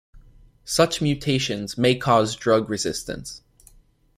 Such mutations may cause drug resistance.